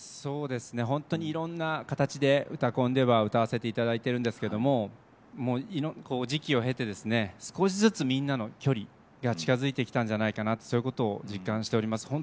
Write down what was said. いろんな形で「うたコン」では歌わせていただいてるんですけど時期を経て少しずつみんなの距離が近づいてきたんじゃないかなとそういうことを実感しております。